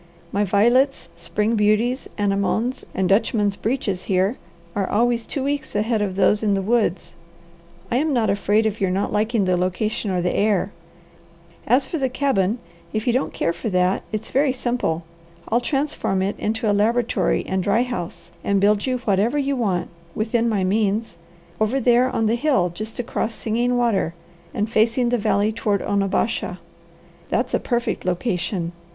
My violets, spring beauties, anemones, and dutchman's breeches here are always two weeks ahead of those in the woods. I am not afraid of your not liking the location or the air. As for the cabin, if you don't care for that, it's very simple. I'll transform it into a laboratory and dry house, and build you whatever you want, within my means, over there on the hill just across Singing Water and facing the valley toward Onabasha. That's a perfect location.